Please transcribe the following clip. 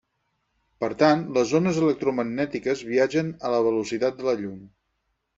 Per tant, les ones electromagnètiques viatgen a la velocitat de la llum.